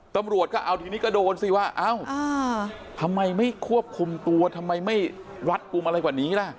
ตำรวจก็เอาทีนี้ก็โดนสิว่าเอ้าทำไมไม่ควบคุมตัวทำไมไม่รัดกลุ่มอะไรกว่านี้ล่ะ